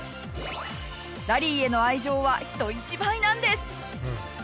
ラリーへの愛情は人一倍なんです！